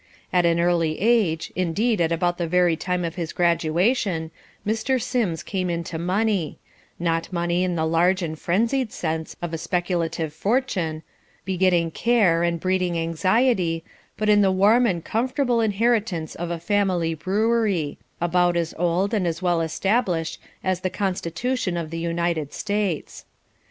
At an early age, indeed at about the very time of his graduation, Mr. Sims came into money, not money in the large and frenzied sense of a speculative fortune, begetting care and breeding anxiety, but in the warm and comfortable inheritance of a family brewery, about as old and as well established as the Constitution of the United States.